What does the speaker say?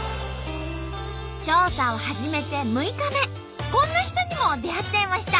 調査を始めて６日目こんな人にも出会っちゃいました。